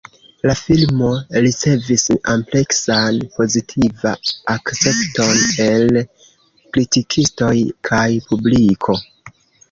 La filmo ricevis ampleksan pozitiva akcepton el kritikistoj kaj publiko.